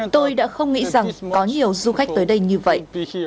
tôi đã không nghĩ rằng có nhiều du khách tới đây như vậy